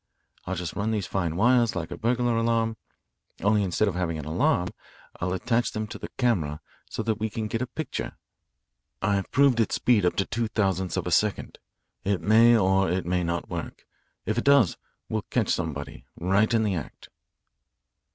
I'll just run these fine wires like a burglar alarm, only instead of having an alarm I'll attach them to the camera so that we can get a picture. I've proved its speed up to one two thousandth of a second. It may or it may not work. If it does we'll catch somebody, right in the act."